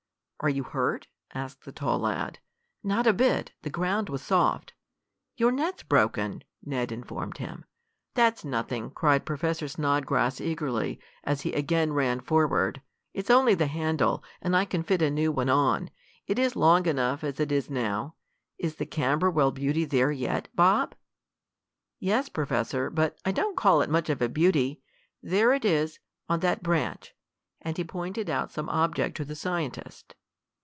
"Are you hurt?" asked the tall lad. "Not a bit. The ground was soft." "Your net's broken," Ned informed him. "That's nothing!" cried Professor Snodgrass eagerly, as he again ran forward. "It's only the handle, and I can fit a new one on. It is long enough as it is now. Is the Camberwell beauty there yet, Bob?" "Yes, Professor, but I don't call it much of a beauty. There it is on that branch," and he pointed out some object to the scientist.